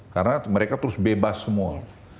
karena mereka terus bebas semua